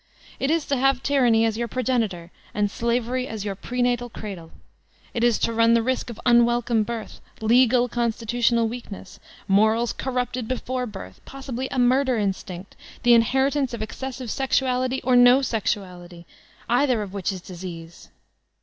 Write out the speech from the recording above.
It is to have Tyranny as your progenitor, and slavery as your prenatal cradle. It is to run the risk of unwelcome birth, "legal'' constitutional weakness, morals corrupted before birth, possibly a murder instinct, the inheritance of excessive sexuality or no sexuality, either of which is disease.